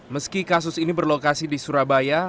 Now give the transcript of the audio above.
meski kasus ini berlokasi di surabaya